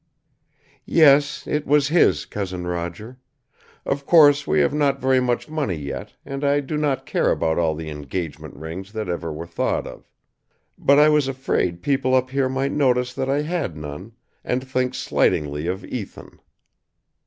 "Yes, it was his, Cousin Roger. Of course, we have not very much money yet, and I do not care about all the engagement rings that ever were thought of. But, I was afraid people up here might notice that I had none and think slightingly of Ethan.